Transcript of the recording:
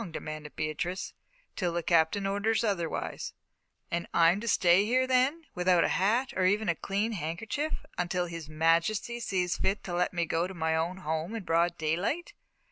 demanded Beatrice. "Till the Captain orders otherwise." "And I'm to stay here, then, without a hat, or even a clean handkerchief, until His Majesty sees fit to let me go to my own home in broad daylight!"